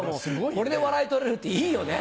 これで笑い取れるっていいよね。